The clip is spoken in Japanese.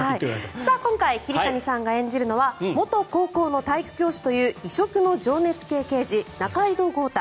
今回、桐谷さんが演じるのは元高校の体育教師という異色の情熱系刑事仲井戸豪太。